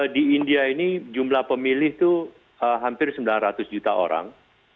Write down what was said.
di india ini jumlah pemilih itu hampir sembilan ratus juta orang